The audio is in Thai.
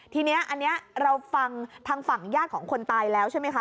ทีนี้อันนี้เราฟังทางฝั่งญาติของคนตายแล้วใช่ไหมคะ